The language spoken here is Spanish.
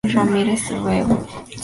Ramírez, Bv.